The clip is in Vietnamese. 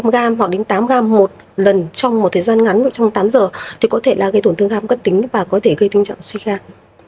bảy năm g hoặc đến tám g một lần trong một thời gian ngắn trong tám giờ thì có thể là gây tổn thương gan cấp tính và có thể gây tình trạng suy gạt